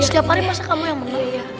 setiap hari masa kamu yang menu